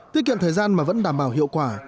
tiết kiệm thời gian mà vẫn đảm bảo hiệu quả